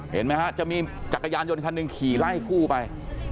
เห็นไหมฮะจะมีจักรยานยนต์คันหนึ่งขี่ไล่กู้ไป